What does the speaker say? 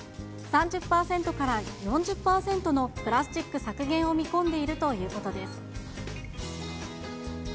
３０％から４０％のプラスチック削減を見込んでいるということです。